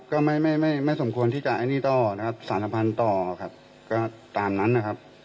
ก็ไม่ไม่สมควรที่จะไอ้หนี้ต่อนะครับสารพันธุ์ต่อครับก็ตามนั้นนะครับ